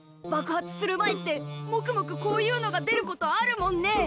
ばく発する前ってもくもくこういうのが出ることあるもんね。